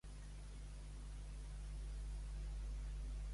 Què feia mentre la bouada?